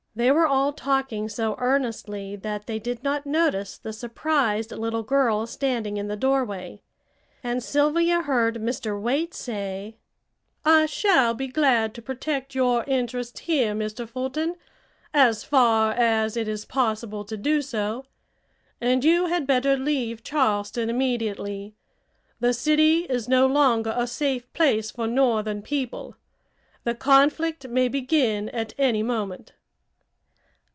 They were all talking so earnestly that they did not notice the surprised little girl standing in the doorway, and Sylvia heard Mr. Waite say: "I shall be glad to protect your interests here, Mr. Fulton, as far as it is possible to do so. And you had better leave Charleston immediately. The city is no longer a safe place for northern people. The conflict may begin at any moment."